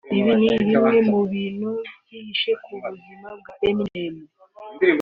Ibi ni bimwe mu bintu byihishe ku buzima bwa Eminem